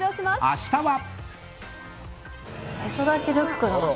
明日は。